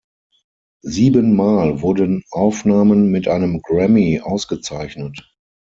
Siebenmal wurden Aufnahmen mit einem Grammy ausgezeichnet.